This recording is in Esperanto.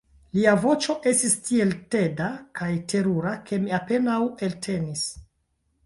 Lia voĉo estis tiel teda kaj terura ke mi apenaŭ eltenis.